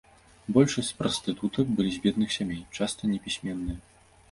Большасць з прастытутак былі з бедных сямей, часта непісьменныя.